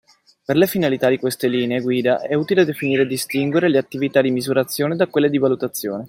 Per le finalità di queste linee guida è utile definire e distinguere le attività di misurazione da quelle di valutazione.